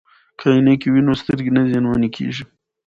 که عینکې وي نو سترګې نه زیانمن کیږي.